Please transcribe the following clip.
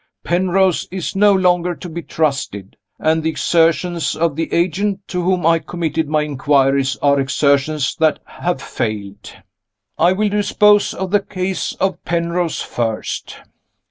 Penrose is no longer to be trusted; and the exertions of the agent to whom I committed my inquiries are exertions that have failed. I will dispose of the case of Penrose first.